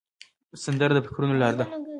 سندره د فکرونو لاره ده